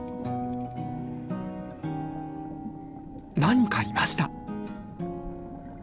何かいました！